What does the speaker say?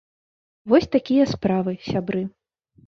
Вось такія справы, сябры.